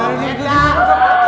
karin seka charlo